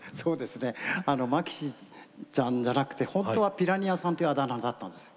マキシーさんじゃなくて本当は「ピラニア」さんっていうあだ名だったんですよ。